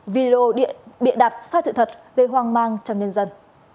video bịa đặt sai sự thật gây hoang mang trong nhân dân